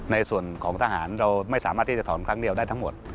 ในส่วนของทหารเราไม่สามารถที่จะถอนครั้งเดียวได้ทั้งหมด